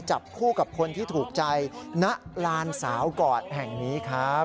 จับคู่กับคนที่ถูกใจณลานสาวกอดแห่งนี้ครับ